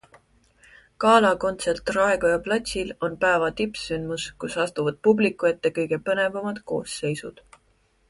Galakontsert Raekoja platsil on päeva tippsündmus, kus astuvad publiku ette kõige põnevamad koosseisud.